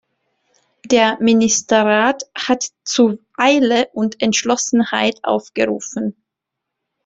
Der Ministerrat hat zu Eile und Entschlossenheit aufgerufen.